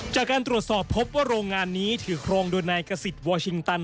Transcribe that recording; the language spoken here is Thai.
จากการตรวจสอบพบว่าโรงงานนี้ถือครองโดยนายกษิตวอร์ชิงตัน